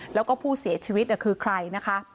แล้วก็ผู้เสียชีวิตคือใครนะคะ